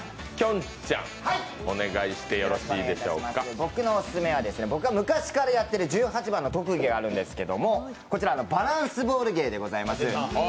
僕のオススメは、僕が昔からやっている十八番の芸があるんですけどこちら、バランスボール芸でございます。